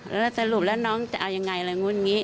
แล้วสรุปแล้วน้องจะเอายังไงอะไรนู้นอย่างนี้